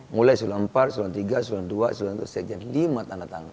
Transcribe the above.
mulai esulah empat esulah tiga esulah dua esulah tiga esulah lima tanda tangan